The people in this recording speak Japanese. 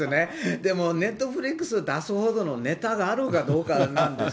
でもネットフリックス出すほどのネタがあるかどうかなんです